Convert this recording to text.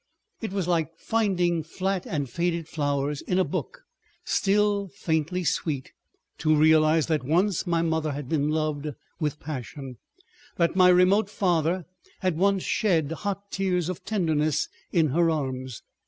It was like finding flat and faded flowers in a book still faintly sweet, to realize that once my mother had been loved with passion; that my remote father had once shed hot tears of tenderness in her arms.